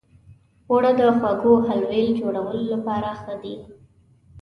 اوړه د خوږو حلوو جوړولو لپاره ښه دي